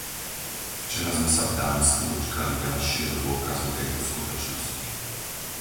Včera sme sa v Dánsku dočkali ďalšieho dôkazu tejto skutočnosti.